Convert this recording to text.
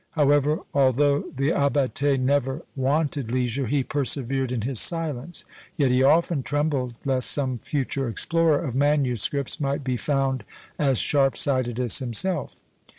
However, although the Abbate never wanted leisure, he persevered in his silence; yet he often trembled lest some future explorer of manuscripts might be found as sharpsighted as himself.